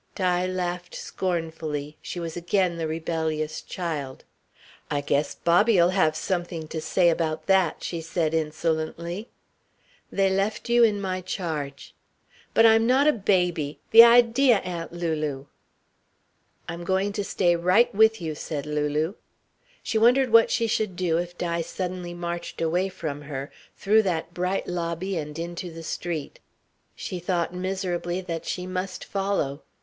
Di laughed scornfully she was again the rebellious child. "I guess Bobby'll have something to say about that," she said insolently. "They left you in my charge." "But I'm not a baby the idea, Aunt Lulu!" "I'm going to stay right with you," said Lulu. She wondered what she should do if Di suddenly marched away from her, through that bright lobby and into the street. She thought miserably that she must follow.